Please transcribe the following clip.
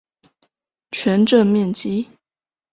全镇面积。